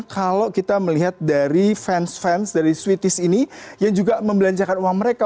kalau kita melihat dari fans fans dari sweeties ini yang juga membelanjakan uang mereka